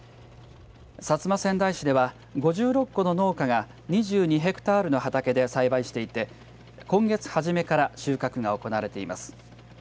薩摩川内市では５６戸の農家が２２ヘクタールの畑で栽培していて今月初めから収穫が行われています。